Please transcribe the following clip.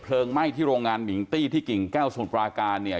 เพลิงไหม้ที่โรงงานมิ้งตี้ที่กิ่งแก้วศูนย์ประการเนี่ย